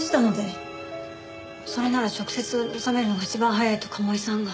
それなら直接納めるのが一番早いと鴨居さんが。